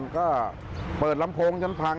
ก็เปิดลำโพงจนพัง